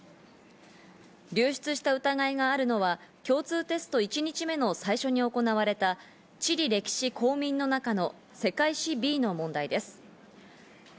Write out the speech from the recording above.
流出した疑いがあるのは共通テスト１日目の最初に行われた、地理歴史・公民の中の世界史Ｂの問題です。